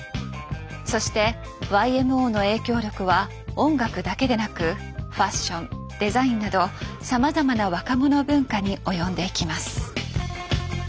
そしてＹＭＯの影響力は音楽だけでなくファッションデザインなどさまざまな若者文化に及んでいきます。